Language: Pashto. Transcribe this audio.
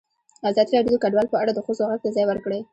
ازادي راډیو د کډوال په اړه د ښځو غږ ته ځای ورکړی.